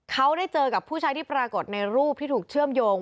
เขาได้เจอกับผู้ชายที่ปรากฏในรูปที่ถูกเชื่อมโยง